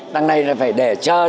đằng này là phải để chờ cho họ